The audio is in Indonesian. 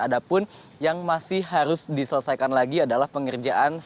ada pun yang masih harus diselesaikan lagi adalah pengerjaan